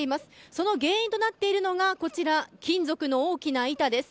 その原因となっているのが金属の大きな板です。